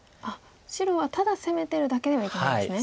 白はただ攻めてるだけではいけないんですね。